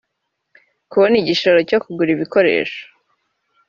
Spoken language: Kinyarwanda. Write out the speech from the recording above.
kubona igishoro cyo kugura ibikoresho